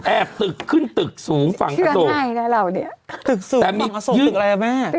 แอบตึกขึ้นตึกสูงฝั่งอสโกชื่อง่ายได้เหล่าเนี้ยตึกสูงฝั่งอสโกตึกแรงมาก